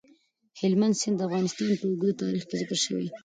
هلمند سیند د افغانستان په اوږده تاریخ کې ذکر شوی.